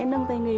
nâng tay nghề